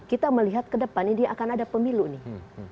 kita melihat ke depan ini akan ada pemilu nih